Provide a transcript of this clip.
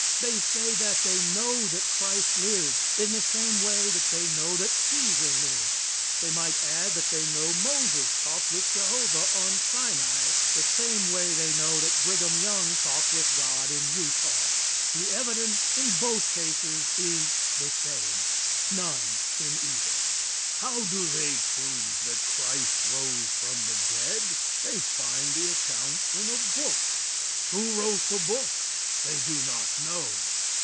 They say that they know that Christ lived, in the same way that they know that Cæsar lived. They might add that they know Moses talked with Jehovah on Sinai the same way they know that Brigham Young talked with God in Utah. The evidence in both cases is the same, none in either. How do they prove that Christ rose from the dead? They find the account in a book. Who wrote the book? They do not know.